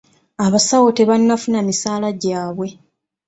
Abasawo tebannafuna misaala gyabwe.